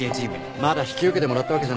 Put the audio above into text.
まだ引き受けてもらったわけじゃない。